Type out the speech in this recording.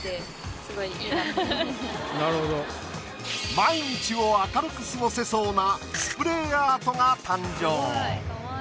毎日を明るく過ごせそうなスプレーアートが誕生。